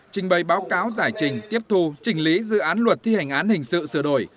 trình bày báo cáo giải trình tiếp thu trình lý dự án luật thi hành án hình sự sửa đổi